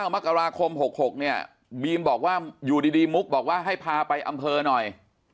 มกราคม๖๖เนี่ยบีมบอกว่าอยู่ดีมุกบอกว่าให้พาไปอำเภอหน่อย